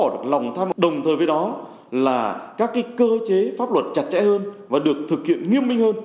đồng thời với đó là các cơ chế pháp luật chặt chẽ hơn và được thực hiện nghiêm minh hơn